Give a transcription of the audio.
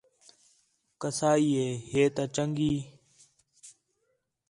کسائی ہے ہے تا چنڳی